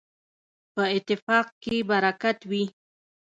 په اتفاق کي برکت وي.